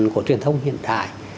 của truyền thông hiện đại